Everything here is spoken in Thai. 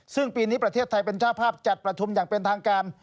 ซึ่งปีนี้ประเทศไทยเป็นเจ้าภาพจัดประชุมอย่างเป็นทางการ